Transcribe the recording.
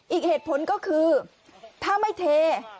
อีกเหตุผลก็คือถ้าไม่เท